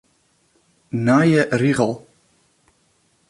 Nije rigel.